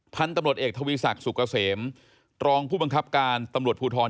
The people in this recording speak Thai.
พันธุ์ตำรวจเอกทวีศักดิ์สุกเกษมรองผู้บังคับการตำรวจภูทร